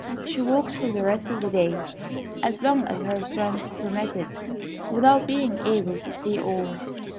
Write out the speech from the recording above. She walked for the rest of the day, as long as her strength permitted, without being able to see all.